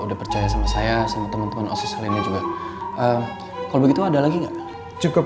udah percaya sama saya sama teman teman osis lainnya juga kalau begitu ada lagi nggak cukup